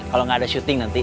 kalau nggak ada syuting nanti